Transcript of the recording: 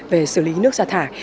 về xử lý nước xả thải